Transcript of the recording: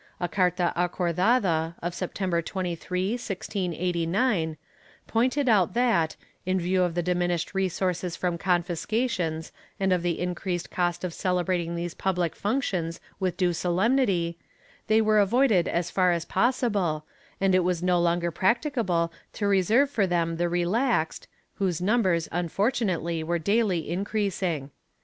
A carta acordada, of September 23, 1689, pointed out that, in view of the diminished resources from confiscations and of the increased cost of celebrating these public functions with due solemnity, they were avoided as far as possible, and it was no longer practicable to reserve for them the relaxed, whose numbers unfortunately were daily increasing.